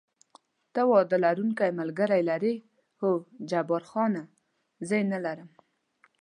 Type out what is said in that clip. ته واده لرونکی ملګری لرې؟ هو، جبار خان: زه یې نه لرم.